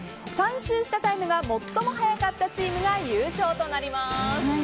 ３周したタイムが最も速かったチームが優勝となります。